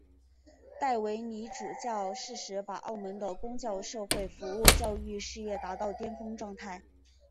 戴维理主教适时把澳门的公教社会服务教育事业达到巅峰状态。